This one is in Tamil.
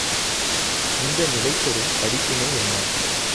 இந்த நிலை தரும் படிப்பினை என்ன?